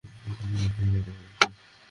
পিভনকা আমি ভালবাসি!